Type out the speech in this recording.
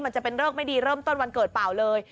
มันจะเป็นเลิกไม่ดีเริ่มต้นวันเกิดเปล่าเลย